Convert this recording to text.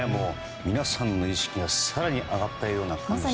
皆さんの意識が更に上がったような感じがしましたね。